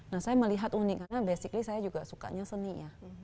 nah saya melihat unik karena basically saya juga sukanya seni ya